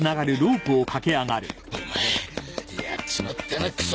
お前やっちまったなくそ